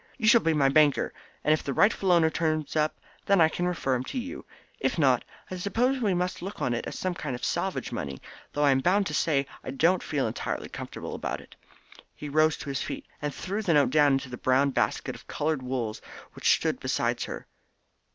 "You shall be my banker, and if the rightful owner turns up then I can refer him to you. If not, I suppose we must look on it as a kind of salvage money, though I am bound to say I don't feel entirely comfortable about it." He rose to his feet, and threw the note down into the brown basket of coloured wools which stood beside her.